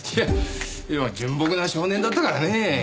純朴な少年だったからねぇ。